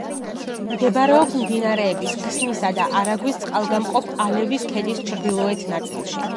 მდებარეობს მდინარეების ქსნისა და არაგვის წყალგამყოფ ალევის ქედის ჩრდილოეთ ნაწილში.